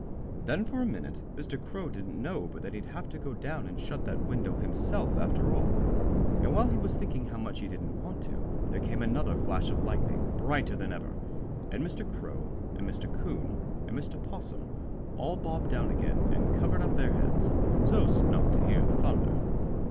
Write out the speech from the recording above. Then for a minute Mr. Crow didn't know but that he'd have to go down and shut that window himself, after all. And while he was thinking how much he didn't want to, there came another flash of lightning, brighter than ever, and Mr. Crow and Mr. 'Coon and Mr. 'Possum all bobbed down again and covered up their heads, so's not to hear the thunder.